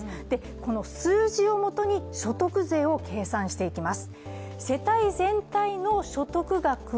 この数字をもとに所得税を計算していきます。